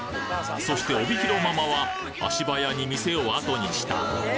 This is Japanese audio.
そして帯広ママは足早に店を後にした。